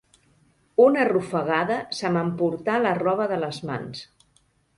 Una rufagada se m'emportà la roba de les mans.